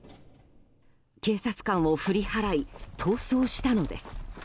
警察官を振り払い逃走したのです。